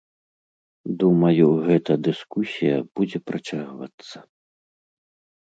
Думаю, гэта дыскусія будзе працягвацца.